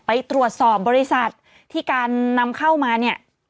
ไปตรวจสอบบริษัทที่การนำเข้ามาเนี่ย